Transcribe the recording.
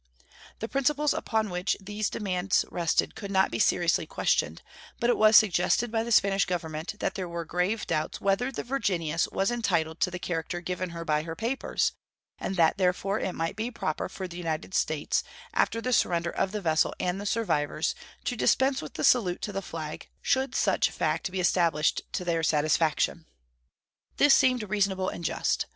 The principles upon which these demands rested could not be seriously questioned, but it was suggested by the Spanish Government that there were grave doubts whether the Virginius was entitled to the character given her by her papers, and that therefore it might be proper for the United States, after the surrender of the vessel and the survivors, to dispense with the salute to the flag, should such fact be established to their satisfaction. This seemed to be reasonable and just.